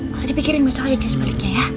gak usah dipikirin besok aja just baliknya ya